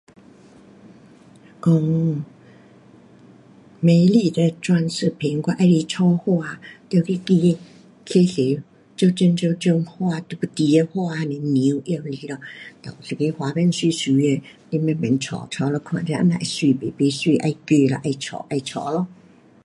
讲，美丽的装饰品，我喜欢插花，得去选多多各种各种花，你要得的花还是叶，哒有一个花瓶美美的，你慢慢插，插了看这啊那会美吗？不美就再改啦，再插再插咯。